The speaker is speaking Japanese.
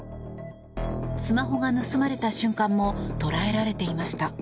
スマホが盗まれた瞬間も捉えられていました。